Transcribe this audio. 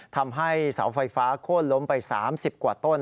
ทำให้เสาไฟฟ้าโค้นล้มไป๓๐กว่าต้น